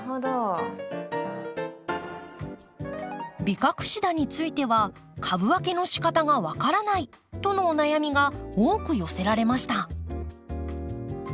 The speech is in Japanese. ビカクシダについては株分けのしかたが分からないとのお悩みが多く寄せられました。